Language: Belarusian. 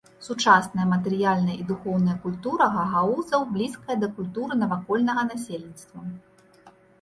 Сучасная матэрыяльная і духоўная культура гагаузаў блізкая да культуры навакольнага насельніцтва.